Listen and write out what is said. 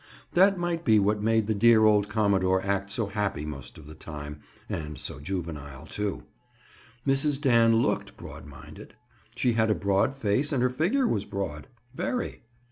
That might be what made the dear old commodore act so happy most of the time, and so juvenile, too! Mrs. Dan looked broad minded. She had a broad face and her figure was broad—very!